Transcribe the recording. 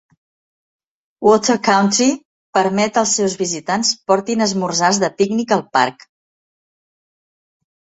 Water Country permet els seus visitants portin esmorzars de pícnic al parc.